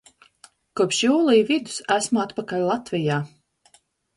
Kopš jūlija vidus esmu atpakaļ Latvijā.